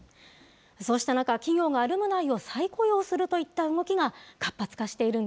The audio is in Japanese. そうした中、企業がアルムナイを再雇用するといった動きが活発化